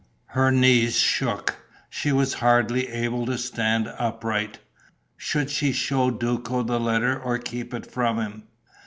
Her knees shook; she was hardly able to stand upright. Should she show Duco the letter or keep it from him?